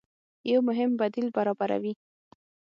يو مهم بديل برابروي